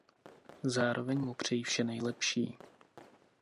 Zároveň mu přeji vše nejlepší.